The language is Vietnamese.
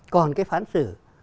còn cái phán xử